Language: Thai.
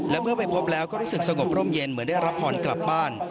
และเมื่อไปพบแล้วก็รู้สึกสงบร่มเย็นเหมือนได้รับพรกลับบ้าน